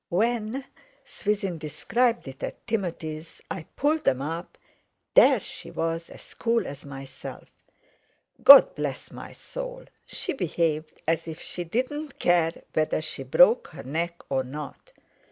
"When"—Swithin described it at Timothy's—"I pulled 'em up, there she was as cool as myself. God bless my soul! she behaved as if she didn't care whether she broke her neck or not!